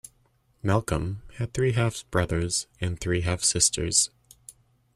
Malcolm had three half-brothers and three half-sisters.